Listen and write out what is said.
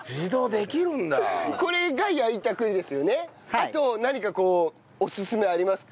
あと何かこうオススメありますか？